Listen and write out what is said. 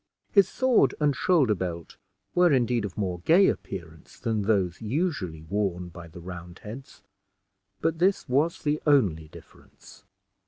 His sword and shoulder belt were indeed of more gay appearance than those usually worn by the Roundheads; but this was the only difference.